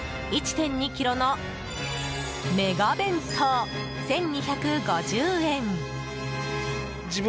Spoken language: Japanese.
１．２ｋｇのメガ弁当１２５０円。